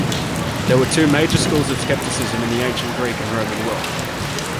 There were two major schools of skepticism in the ancient Greek and Roman world.